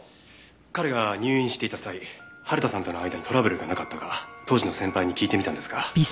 彼が入院していた際春田さんとの間にトラブルがなかったか当時の先輩に聞いてみたんですが。